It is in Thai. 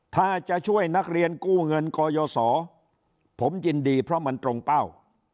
ถ้าจะช่วยนักเรียนกู้เงินกยศผมยินดีเพราะมันตรงเป้า